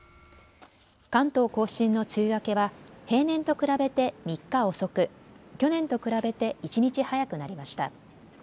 関東甲信の梅雨明けは平年と比べて３日遅く、去年と比べて１日早くなりました。